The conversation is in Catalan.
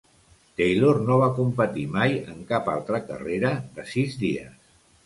Taylor no va competir mai en cap altra carrera de sis dies.